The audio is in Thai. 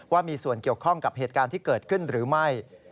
ว่ามีส่วนเกี่ยวข้องกับเหตุการณ์ที่เกิดขึ้นหรือไม่